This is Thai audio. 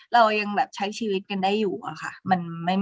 เรายังแบบใช้ชีวิตกันได้อยู่อะค่ะ